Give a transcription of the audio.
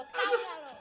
tau ga lo